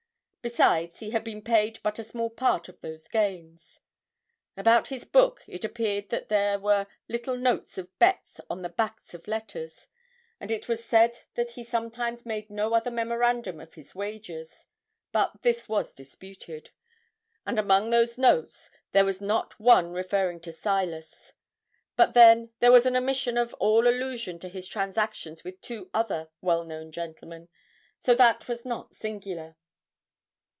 Besides, he had been paid but a small part of those gains. About his book it appeared that there were little notes of bets on the backs of letters, and it was said that he sometimes made no other memorandum of his wagers but this was disputed and among those notes there was not one referring to Silas. But, then, there was an omission of all allusion to his transactions with two other well known gentlemen. So that was not singular.'